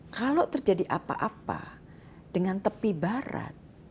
kalau terjadi apa apa dengan tepi barat